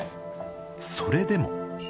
それでも。